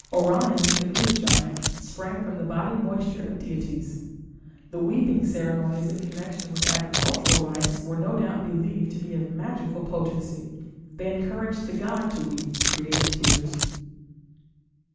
Orion, the Greek giant, sprang from the body moisture of deities. The weeping ceremonies in connection with agricultural rites were no doubt believed to be of magical potency; they encouraged the god to weep creative tears.